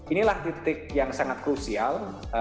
inilah titik yang sangat krusial